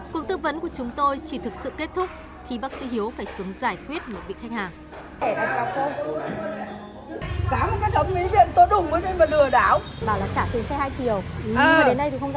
cuộc tư vấn của chúng tôi chỉ thực sự kết thúc khi bác sĩ hiếu phải xuống giải quyết một vị khách hàng